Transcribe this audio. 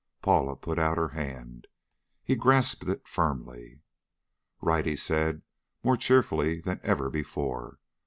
Paula put out her hand. He grasped it firmly. "Right!" he said, more cheerfully than ever before.